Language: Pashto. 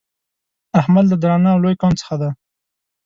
احمد له درانه او لوی قوم څخه دی.